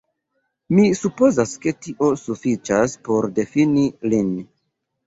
Mi supozas ke tio sufiĉas por difini lin".